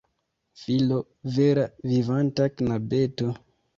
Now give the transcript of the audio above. Filo! Vera vivanta knabeto!